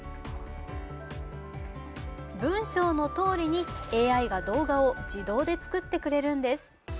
文章のとおりにＡＩが動画を自動で作ってくれるんです。